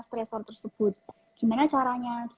stressor tersebut gimana caranya